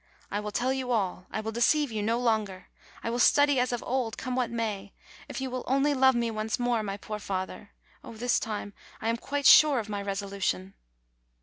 I will tell you all ; I will deceive you no longer. I will study as of old, come what may, if you will only love me once more, my poor father ! Oh, this time I am quite sure of my resolution!"